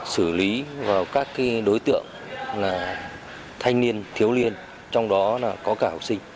xử lý và các đối tượng thanh niên thiếu niên trong đó có cả học sinh